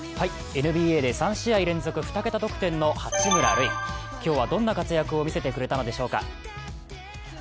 ＮＢＡで３試合連続２桁得点の八村塁今日はどんな活躍を見せてくれたのでしょうか。